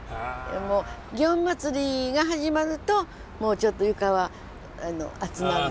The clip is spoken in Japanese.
もう園祭が始まるともうちょっと床は暑うなる。